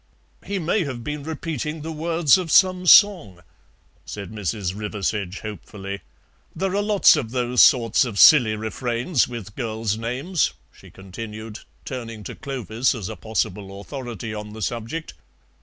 "He may have been repeating the words of some song," said Mrs. Riversedge hopefully; "there are lots of those sorts of silly refrains with girls' names," she continued, turning to Clovis as a possible authority on the subject.